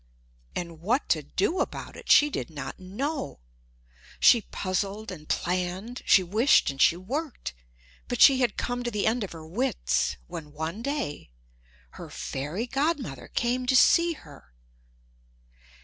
And what to do about it she did not know. She puzzled and planned, she wished and she worked, but she had come to the end of her wits when, one day, her fairy godmother came to see her.